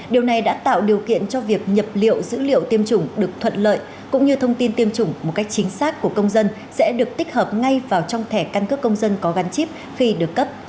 điều này đã tạo điều kiện cho việc nhập liệu dữ liệu tiêm chủng được thuận lợi cũng như thông tin tiêm chủng một cách chính xác của công dân sẽ được tích hợp ngay vào trong thẻ căn cước công dân có gắn chip khi được cấp